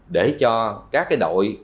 để cho các đội